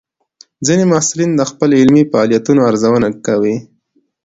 ځینې محصلین د خپل علمي فعالیتونو ارزونه کوي.